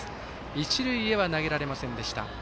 一塁へは投げられませんでした。